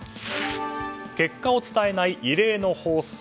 結果を伝えない異例の放送。